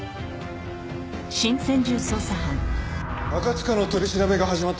赤塚の取り調べが始まったって。